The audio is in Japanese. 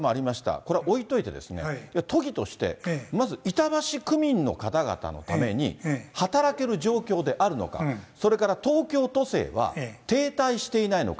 これは置いといて、都議として、まず板橋区民の方々のために働ける状況であるのか、それから東京都政は停滞していないのか。